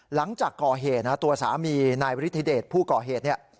หลังจากก่อเหตุตัวสามีนายวิทยาเดชผู้ก่อเหตุ